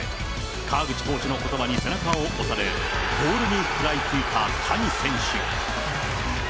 川口コーチのことばに背中を押され、ボールに食らいついた谷選手。